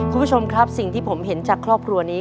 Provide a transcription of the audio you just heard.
คุณผู้ชมครับสิ่งที่ผมเห็นจากครอบครัวนี้